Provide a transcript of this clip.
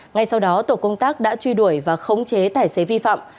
ngay sau đó tổ công tác đã truy đuổi và khống chế tài xế vi phạm